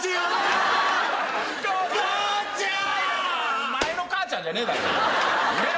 お前の母ちゃんじゃねえだろ！